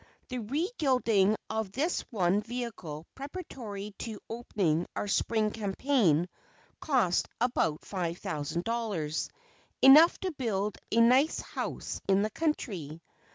The re gilding of this one vehicle preparatory to opening our spring campaign cost about five thousand dollars enough to build a nice house in the country.